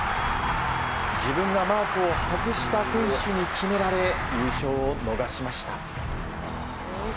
自分がマークを外した選手に決められ優勝を逃しました。